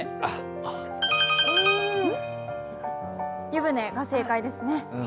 湯船が正解ですね。